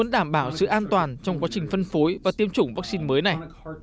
đảm bảo sự an toàn trong quá trình phân phối và tiêm chủng vaccine mới này